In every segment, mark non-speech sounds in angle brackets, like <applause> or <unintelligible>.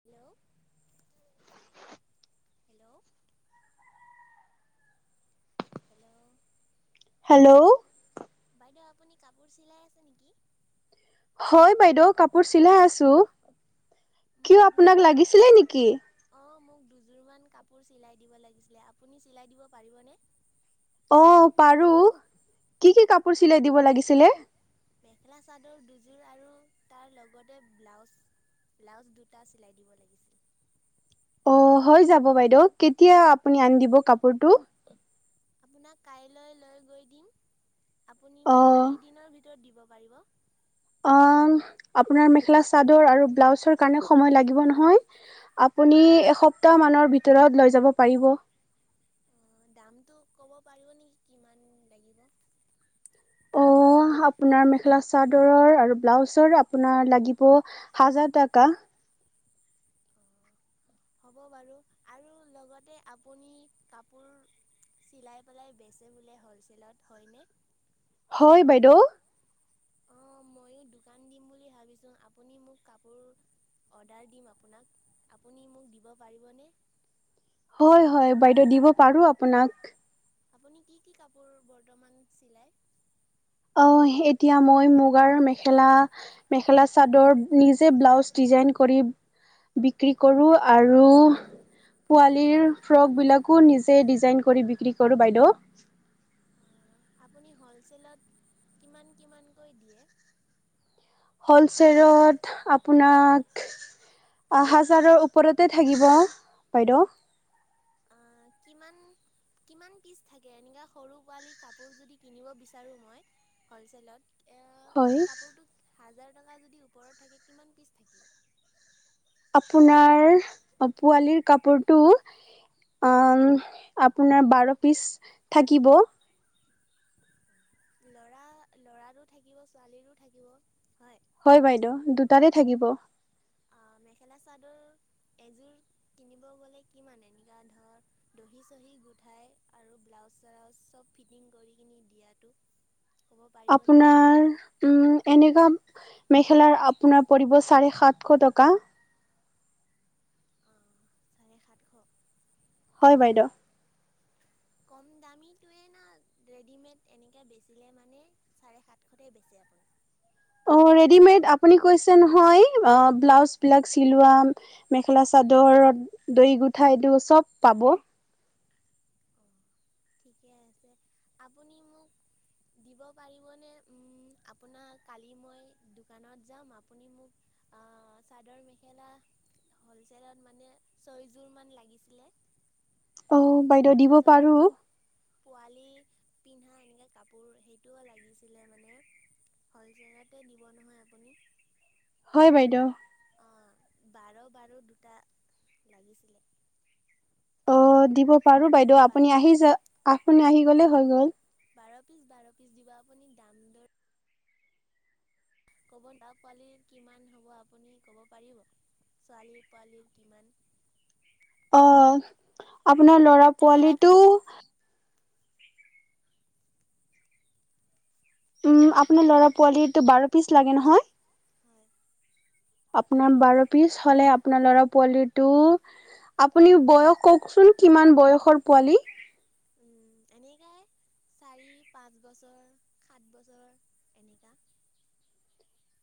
Hello hello hello hello বাইদেউ আপুনি কাপোৰ চিলাই আছে নেকি? হয় বাইদেউ কাপোৰ চিলাই আছো কিয় মোক দুযোৰ আপোনাক লাগিছিলে নেকি? অঁ মোক দুযোৰ মান কাপোৰ চিলাই দিব লাগিছিলে আপুনি চিলাই দিব পাৰিবনে? অ' পাৰো। কি কি কাপোৰ চিলাই দিব লাগিছিলে? মেখেলা চাদৰ দুযোৰ আৰু তাৰ লগতে ব্লাউজ ব্লাউজ দুটা চিলাই দিব লাগিছিল। অ' হৈ যাব বাইদেউ কেতিয়া আপুনি আনি দিব কাপোৰতো? আপোনাক কাইলৈ লৈ গৈ দিম। আপুনি অ মোক কেইদিনৰ ভিতৰত দিব? পাৰিব অ', আপোনাৰ মেখেলা, চাদৰ আৰু ব্লাউচৰ কাৰনে সময় লাগিব নহয়, আপুনি এসপ্তাহ মানৰ ভিতৰত লৈ যাব পাৰিব। অ', দামটো ক'ব পাৰিব নেকি কিমান লাগিব? অ', আপোনাৰ মেখেলা, চাদৰ আৰু ব্লাউচৰ আপোনাৰ লাগিব হাজাৰ টাকা। হ'ব বাৰু আৰু লগতে আপুনি কাপোৰ চিলাই পেলাই বেচে বোলে হ'লচেলত হয়নে? হয়, বাইদেউ। অ', ময়ো দোকান দিম বুলি ভাবিছোঁ, আপুনি মোক কাপোৰ অৰ্ডাৰ দিম আপোনাক আপুনি মোক দিব পাৰিবনে? হয়, হয় বাইদেউ দিব পাৰোঁ আপোনাক। আপুনি কি, কি কাপোৰ বৰ্তমান চিলাই? অ', এতিয়া মই মুগাৰ মেখেলা, মেখেলা চাদৰ নিজে ব্লাউজ ডিজাইন কৰি বিক্ৰী কৰোঁ, আৰু পোৱালীৰ ফ্ৰকবিলাকো নিজে ডিজাইন কৰি বিক্ৰী কৰোঁ বাইদেউ। আহ, আপুনি হ'লচেলত কিমান, কিমানকৈ দিয়ে? হ'লচেলত আপোনাক, হাজাৰৰ ওপৰতে থাকিব বাইদেউ। আ, কিমান, কিমান পিচ থাকে এনেকা সৰু পোৱালি কাপোৰ যদি কিনিব বিচাৰো মই হ'লচেলত? এ হয়। কাপোৰটো হাজাৰ টকা যদি ওপৰত থাকে কিমান পিচ থাকিব? আপোনাৰ পোৱালিৰ কাপোৰটো অ', আপোনাৰ বাৰ পিছ থাকিব। ল'ৰা, ল'ৰাৰো থাকিব, ছোৱালীৰো থাকিব হয়? হয়, বাইদেউ দুটাৰে থাকিব। অ', মেখেলা, চাদৰ এযোৰ কিনিব গ'লে কিমান এনেকুৱা ধৰ দহি, চহি গোঠাই আৰু ব্লাউজ চালাউজ চব ফিটিং কৰি কিনি দিয়াটো ক'ব পাৰিবনে আপোনাৰ উম, এনেকুৱা মেখেলাৰ আপোনাৰ পৰিব চাৰে সাতশ টকা। এনে সাতশ। হয় বাইদেউ। কম দামীটোৱে না, ৰেডিমেড এনেকে বেচিলে মানে, চাৰে সাতশতে বেছে আপুনি। অ' ৰেদিমেড, আপুনি কৈছে নহয় অ' ব্লাউজ বিলাক চিলোৱা, মেখেলা চাদৰ দহি গুঁঠা এইটো চব পাব। অঁ ঠিকে আছে, আপুনি মোক দিব পাৰিবনে, আপোনাৰ কালি মই দোকানত যাম, আপুনি মোক চাদৰ-মেখেলা হলছেলত মানে চয় যোৰ মান লাগিছিলে। অ বাইদেউ দিব তাছত, পাৰো পোৱালি পিন্ধা এনেকে কাপোৰ সেইটোও লাগিছিলে মানে হলচেলতে দিব নহয় আপুনি। হয় বাইদেউ। অ' বাৰ-বাৰ দুটা লাগিছিলে। অ' দিব বাৰু বাইদেউ বাৰ আপুনি আহি যা আপুনি আহি গ'লে হৈ গ'ল। বাৰ পিচ-বাৰ পিচ দিব আপুনি দাম দৰ <unintelligible> পোৱালিৰ কিমান হ'ব, আপুনি ক'ব পাৰিব। ছোৱালী পোৱাল কিমান, অ'। আপোনাৰ ল'ৰা পোৱালীটো উম আপোনাৰ ল'ৰা পোৱালিটো বাৰ পিচ লাগে নহয়। হয় আপোনাৰ বাৰ পিছ হ'লে আপোনাৰ ল'ৰা পোৱালিটো আপুনি বয়স কওক চোন কিমান বয়সৰ পোৱালি। এনেকোৱা চাৰি পাঁচ বছৰ সাত বছৰ এনেকুৱা।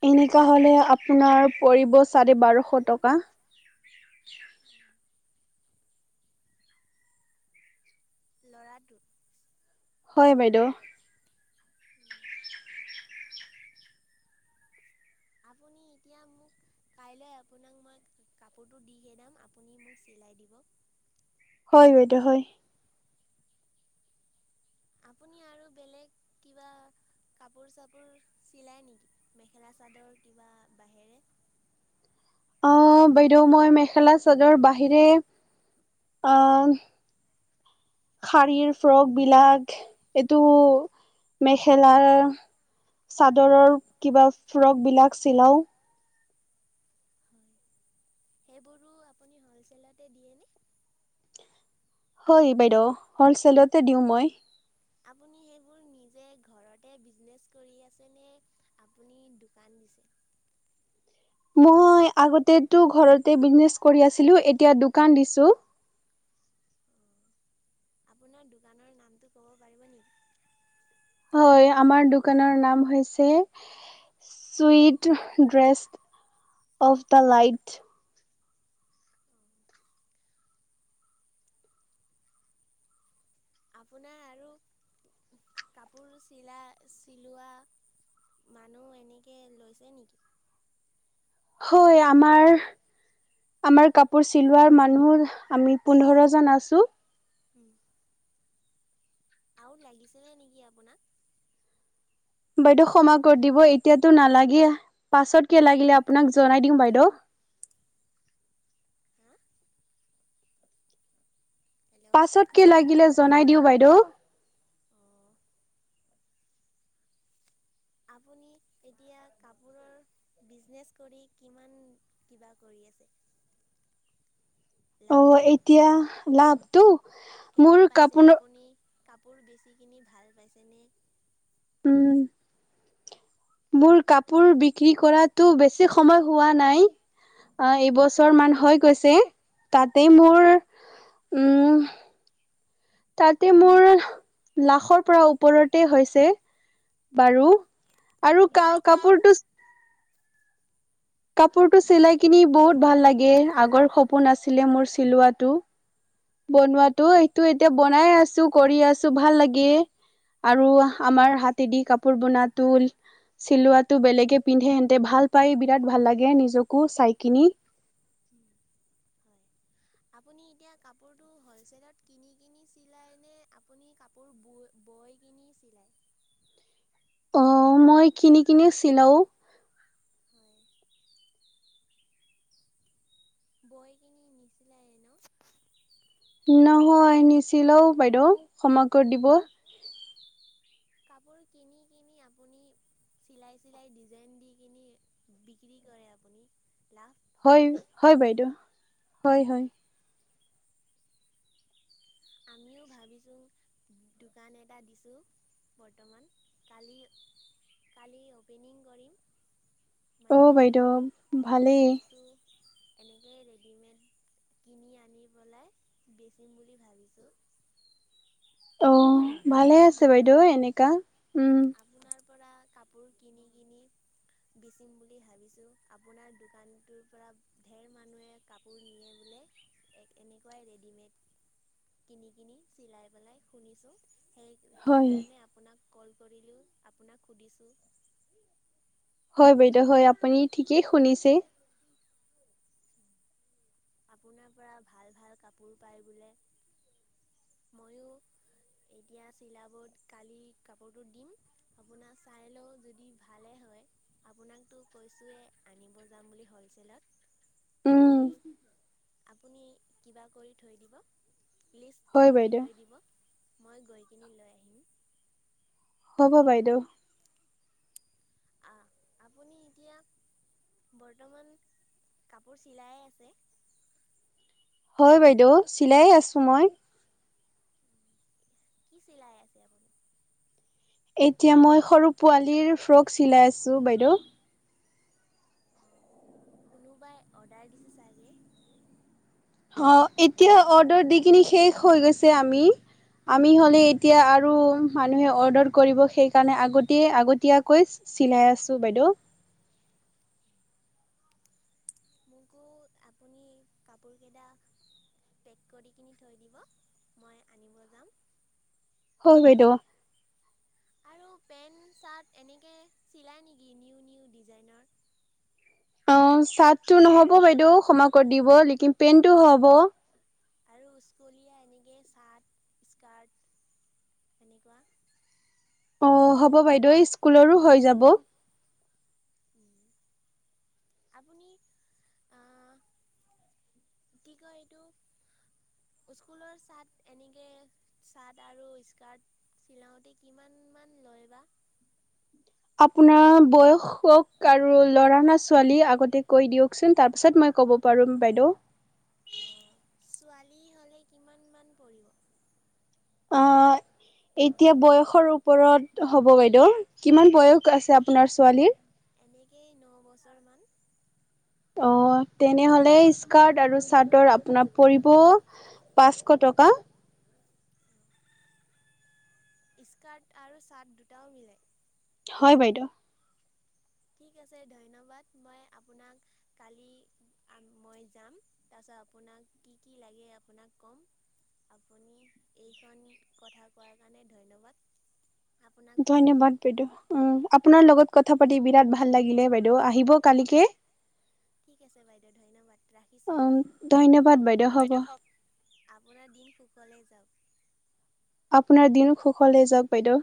এনেকুৱা হ'লে আপোনাৰ পৰিব চাৰে বাৰশ টকা। ল'ৰাটো হয় বাইদেউ। আপুনি এতিয়া মোক কাইলৈ আপোনাক মই কাপোৰটো দিহে দাম আপুনি মোক চিলাই দিব। হয় বাইদেউ হয়। আপুনি আৰু বেলেগ কিবা কাপোৰ চাপোৰ চিলায় নেকি মেখেলা চাদৰ কিবা বাহিৰে। আহ বাইদেউ মই মেখেলা চাদৰ বাহিৰে আহ শাৰীৰ ফ্ৰক বিলাক এইটো মেখেলা চাদৰৰ কিবা ফ্ৰক বিলাক চিলাও। হয় সেইবোৰো আপুনি হলচেল দিয়ে ন। হয় বাইদেউ হলচেলতে দিওঁ মই। আপুনি সেইবোৰ নিজেই ঘৰতে বিজনেছ কৰি আছে নে। আপোনাৰ দোকান আছে। মই আগতেতটো ঘৰতে বিজনেচ কৰি আছিলো এতিয়া দোকান দিছো। আপোনাৰ দোকানৰ নামটো ক'ব পাৰিব নেকি। হয় আমাৰ দোকানৰ নাম হৈছে sweet dress of the light. আপোনাৰ আৰু কাপোৰ চিলাই চিলোৱা মানুহ এনেকে লৈছে নেকি। হয় আমাৰ আমাৰ কাপোৰ চিলোৱাৰ মানুহ আমি পোন্ধৰ জন আছো। উম। আৰু লাগিছিলে নেকি আপোনাক। বাইদেও ক্ষমা কৰি দিব। এতিয়াটো নালাগে পাছত কে লাগিলে আপোনাক জনাই দিম বাইদেউ। হা হেল্ল' পাছত কি লাগিলে জনাই দিওঁ বাইদেউ। অঁ আপুনি এতিয়া কাপোৰৰ বিজনেছ কৰি কিমান কিবা কৰি আছে। অ লাভ এতিয়া লাভটো মোৰ কেনে পাইছে কাপোৰ আপুনি? কাপোৰ বেছি কিনি ভাল পাইছেনে? উম মোৰ কাপোৰ বিক্ৰী কৰাতো বেছি সময় হোৱা নাই এইবছৰ মান হৈ গৈছে তাতে মোৰ উম। তাতে মোৰ লাখৰ পৰা ওপৰতে হৈছে বাৰু। আৰু ক কাপোৰটো কাপোৰটো চিলাই কিনি বহুত ভাল লাগে আগৰ সপোন আছিলে মোৰ চিলোৱাটো। বনোৱাটো এইটো এতিয়া বনাই আছো, কৰি আছো, ভাল লাগে আৰু আমাৰ হাতেদি কাপোৰ বনাতটো চিলোৱাটো বেলেগে পিন্ধে সেতে ভাল পাই বিৰাট ভাল লাগে নিজকো চাই কিনি। হয় আপুনি এতিয়া কাপোৰটো হলচেলত কিনি কি চিলায় নে আপুনি কাপোৰ বয় কিনি চিলায়। অ মই কিনি কিনি চিলাও। হয় বৈ কিনি নিচে ন। নহয় নিচিলাও বাইদেউ ক্ষামা কৰি দিব। কাপোৰ কিনি আপুনি চিলাই চাই ডিজাইন দি বিক্ৰী কৰে আপুনি। লাভ হয় হয়নে হয় বাইদেউ। হয় হয়। আমিও ভাবিছোঁ দোকান এটা দিছোঁ বৰ্তমান কালি কালি অ'পেনিং কৰিম। অ মানে বাইদেউ ভালেই। বস্তু এনেকেই ৰেডিমেড কিনি আনি পেলাই বেচিম বুলি ভাবিছো। অ'। ভালে আছে আপোনাৰ বাইদেউ এনেকা, উম। আপোনাৰ পৰা কাপোৰ কিনি কিনি বিচিম বুলি ভাবিছো আপোনাৰ দোকানটোৰ পৰা ধঢেৰ মানুহে কাপোৰ নিয়ে বোলে এনেকুৱাই ৰেডিমেড কিনি কিনি চিলাই পেলাই শুনিছো সেই হয় সেইকাৰণে আপোনাক কল কৰিলো আপোনাক সুধিছো। হয় বাইদেউ হয় আপুনি ঠিকেই শুনিছে। আপোনাৰ পৰা ভাল ভাল কাপোৰ পায় বোলে ময়ো এতিয়া চিলাবত কালি কাপোৰটো দিম আপোনাৰ চাই লও যদি ভালেই হয় আপোনাকতো কৈছোৱে আনিব যাম বুলি হ'লচেলত উম আপুনি আপুনি কিবা কৰি থৈ দিব। হয় বাইদেউ দ গিনি লৈ আহিম। হ'ব বাইদেউ আহ আপুনি এতিয়া বৰ্তমান কাপোৰ চিলাইে আছে। হয় বাইদেউ চিলাইে আছো মই কি চিলাই আছে আপুনি। এতিয়া মই সৰু পোৱালীৰ ফ্ৰক চিলাই আছো বাইদেউ অ কোনোবাই অৰ্ডাৰ দিছে চাগে। অঁ এতিয়া অৰ্ডাৰ দি কিিনি শেষ হৈ গৈছে আমি অ' আমি হ'লে এতিয়া আৰু মানুহে অৰ্ডাৰ কৰিব সেইকাৰণে আগতে আগতীয়াকৈ চিলাই আছোঁ বাইদেউ। মোকো আপুনি কাপোৰকেইটা পেক কৰি কিনি থৈ দিব মই আনিব যাম। হয় বাইদেৱ। আৰু পেণ্ট চাৰ্ট এনেকৈ চিলায় নেকি নিউ নিউ ডিজাইনৰ অ চাৰ্টটো নহ'ব বাইদেউ ক্ষা কত দিব লেকিন পেন্টো হ'ব। আৰু স্কুলীয়া এনেকে চাৰ্ট স্কাৰ্ট এনেকুৱা। অ হ'ব বাইদেউ স্কুলৰো হৈ যাব। আপুনি আহ কি কয় এইটো স্কুলৰ চাৰ্ট এনেকে চাৰ্ট আৰু স্কাৰ্ট চিলাওতে কিমান মান লয় বা আপোনাৰ বয়সক আৰু ল'ৰা না ছোৱালী আগতে কৈ দিয়কচোন তাৰপাছত মই ক'ব পাৰিম বাইদেউ <inaudible> এতিয়া বয়সৰ ওপৰত হ'ব বাইদেউ কিমান বয়স আছে আপোনাৰ ছোৱালীৰ এনেকেই ন বছৰমান অঁ তেনেহ'লে স্কাৰ্ট আৰু চাৰ্টৰ আপোনাৰ পৰিব পাঁচশ টকা। স্কাৰ্ট আৰু চাৰ্ট দুটাও মিলে। হয় বাইদেউ। ঠিক আছে ধন্যবাদ মই আপোনাক কালি মই যাম তাৰপিছত আপোনাক কি কি লাগে আপোনাক ক'ম আপুনি এইখন কথা কোৱাৰ কাৰণে ধন্যবাদ আপোনাক ধন্যবাদ বদ উম! আপোনাৰ লগত কথা পাতি বিৰাট ভাল লাগিলে বাইদেউ আহিব কালিকে। আ বাইদউ ধন্যবাদ ৰাখিছো উম এতিয়া ধন্যবাদ বাইদেউ হ'ব বাই আপোনাৰ দিন সুখলে যাও আপোনাৰ দিনো সুখলে যাওক বাইদেউ।